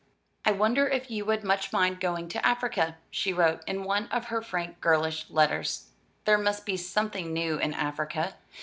"I wonder if you would much mind going to Africa?" she wrote, in one of her frank girlish letters. "There must be something new in Africa.